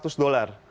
sampai seratus dollar